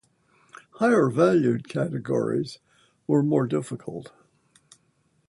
Higher-valued categories were more difficult.